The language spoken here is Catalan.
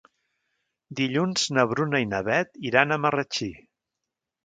Dilluns na Bruna i na Beth iran a Marratxí.